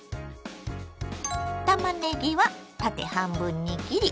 たまねぎは縦半分に切り縦に薄切り。